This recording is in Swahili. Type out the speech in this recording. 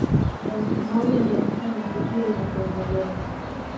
Elfu moja mia tisa na sitini na kuendelea